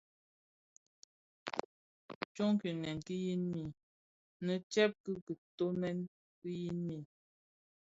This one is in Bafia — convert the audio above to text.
Tsoo kiňèn ki yin mi nnë tsèb ki kitöňèn ki yin mi.